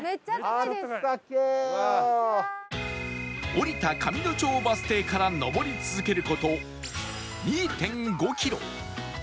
降りた上の町バス停から登り続ける事 ２．５ キロ